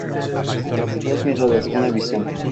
Dos miradas, una visión.